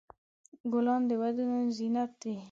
ګلان د ودونو زینت وي.